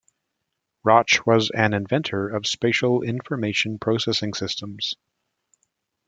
Rauch was an inventor of spatial information processing systems.